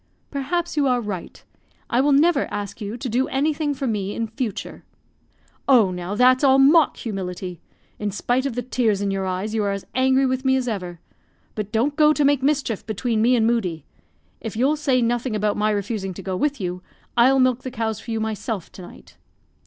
"Perhaps you are right. I will never ask you to do anything for me in future." "Oh, now, that's all mock humility. In spite of the tears in your eyes, you are as angry with me as ever; but don't go to make mischief between me and Moodie. If you'll say nothing about my refusing to go with you, I'll milk the cows for you myself to night."